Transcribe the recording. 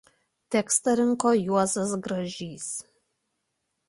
Tekstą rinko Juozas Gražys.